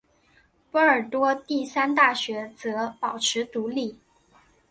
波尔多第三大学则保持独立。